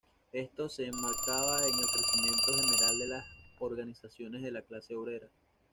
Esto se enmarcaba en el crecimiento general de las organizaciones de la clase obrera.